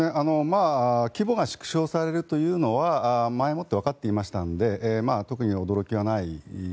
規模が縮小されるというのは前もってわかっていましたので特に驚きはない。